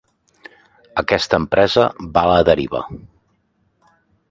Aquesta empresa va a la deriva.